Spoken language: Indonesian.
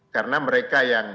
karena mereka yang